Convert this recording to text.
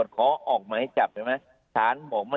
โทษจับคุณ